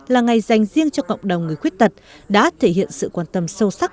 là ngày dành riêng cho cộng đồng người khuyết tật đã thể hiện sự quan tâm sâu sắc